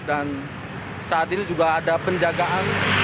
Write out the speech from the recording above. dan saat ini juga ada penjagaan